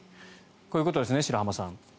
こういうことですね白濱さん。